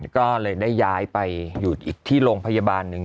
ก็เลยได้ย้ายไปอยู่อีกที่โรงพยาบาลหนึ่ง